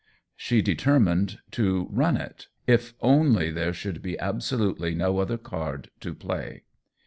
She determined to run it only if there should be absolutely no other card to play.